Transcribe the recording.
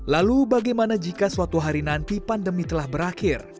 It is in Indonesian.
lalu bagaimana jika suatu hari nanti pandemi telah berakhir